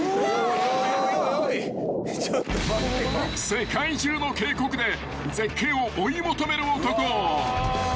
［世界中の渓谷で絶景を追い求める男］